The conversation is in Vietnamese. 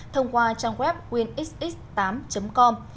thông qua trang web winxx tám com